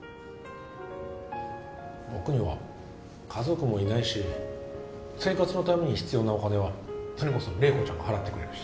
僕には家族もいないし生活のために必要なお金はそれこそ麗子ちゃんが払ってくれるし。